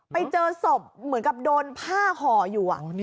ไปเจอศพเหมือนกับโดนผ้าห่ออยู่